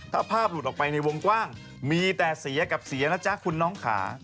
ถ้าภาพหลุดออกไปในวงกว้างมีแต่เสียกับเสียนะจ๊ะคุณน้องขา